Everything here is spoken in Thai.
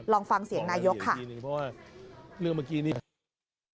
ลองฟังเสียงนายกค่ะ